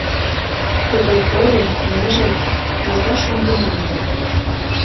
— Тугай поро, ныжылге, таза шоҥгына ыле...